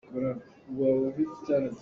Kan in bawmh lai.